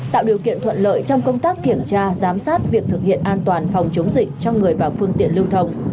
tạo điều kiện thuận lợi trong công tác kiểm tra giám sát việc thực hiện an toàn phòng chống dịch cho người và phương tiện lưu thông